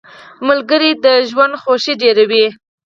ملګری د ژوند خوښي ډېروي.